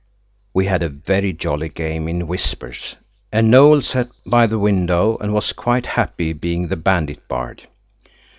We had a very jolly game, in whispers, and Noël sat by the little window, and was quite happy, being the bandit bard.